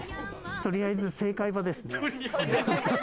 とりあえず正解はですね。